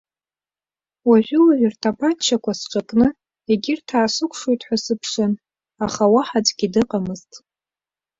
Уажәы-уажәы ртапанчақәа сҿакны егьырҭ аасыкәшоит ҳәа сыԥшын, аха уаҳа аӡәгьы дыҟамызт.